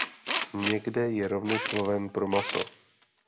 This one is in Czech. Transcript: Někde je rovněž loven pro maso.